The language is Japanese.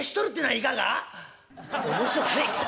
「面白くない」。